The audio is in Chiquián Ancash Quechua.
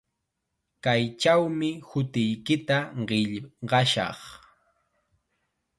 Kaychawmi hutiykita qillqashaq.